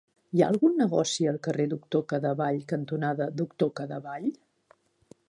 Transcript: Hi ha algun negoci al carrer Doctor Cadevall cantonada Doctor Cadevall?